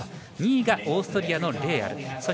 ２位がオーストリアのレーアル。